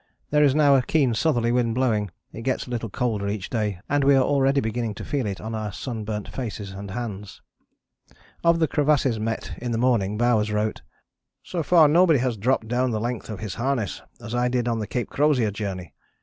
There is now a keen southerly wind blowing. It gets a little colder each day, and we are already beginning to feel it on our sunburnt faces and hands." Of the crevasses met in the morning Bowers wrote: "So far nobody has dropped down the length of his harness, as I did on the Cape Crozier journey.